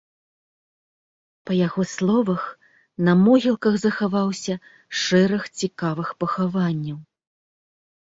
Па яго словах, на могілках захаваўся шэраг цікавых пахаванняў.